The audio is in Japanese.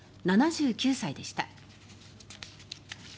７９歳でした。